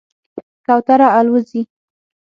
کوتره الوځي.